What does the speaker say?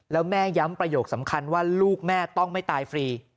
แล้วแม่ย้ำประโยคสำคัญว่าลูกแม่ต้องไม่ตายฟรี